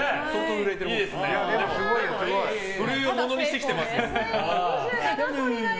震えをものにしてきてますよ。